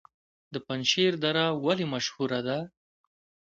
د پنجشیر دره ولې مشهوره ده؟